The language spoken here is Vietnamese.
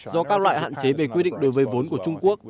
do các loại hạn chế về quy định đối với vốn của trung quốc